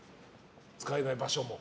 使えない場所も。